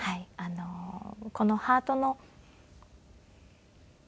このハートの。